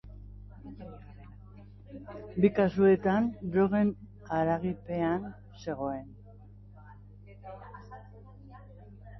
Bi kasuetan drogen eraginpean zegoen.